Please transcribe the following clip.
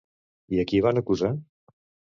I a qui van acusar?